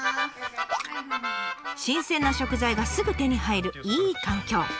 新鮮な食材がすぐ手に入るいい環境。